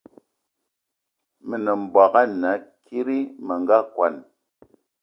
Me nem mbogue ana kiri me nga kwan